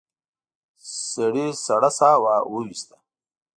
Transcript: سړي سړه سا ويسته.